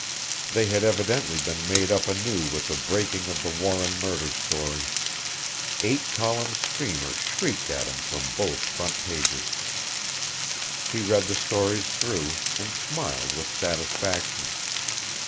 They had evidently been made up anew with the breaking of the Warren murder story. Eight column streamers shrieked at him from both front pages. He read the stories through, and smiled with satisfaction.